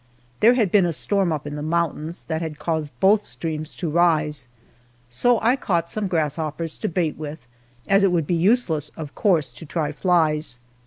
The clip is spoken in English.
There had been a storm up in the mountains that had caused both streams to rise, so I caught some grasshoppers to bait with, as it would be useless, of course, to try flies.